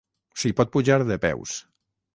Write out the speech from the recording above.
S'hi pot pujar de peus.